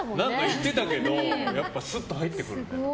言ってたけどスッと入ってくるね。